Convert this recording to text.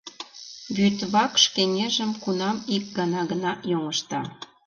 Вӱд вакш кеҥежым кунам ик гана гына йоҥышта.